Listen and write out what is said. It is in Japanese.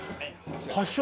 発祥